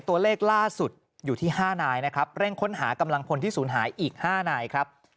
ตัวเลขล่าสุดอยู่ที่๕นายนะครับเร่งค้นหากำลังพลที่ศูนย์หายอีก๕นายครับ